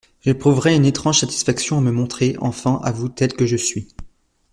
J’éprouverais une étrange satisfaction à me montrer enfin à vous tel que je suis.